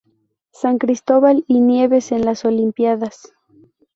San Cristóbal y Nieves en las olimpíadas